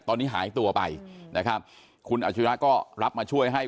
ตอนนี้หายตัวไปนะครับคุณอาชิระก็รับมาช่วยให้